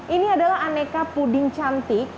ini adalah aneka puding cantik